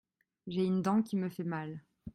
J’ai une dent qui me fait mal.